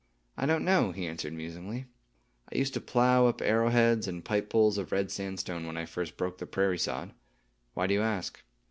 "I don't know," he answered musingly. "I used to plow up arrow heads, and pipe bowls of red sandstone, when I first broke the prairie sod. Why do you ask?"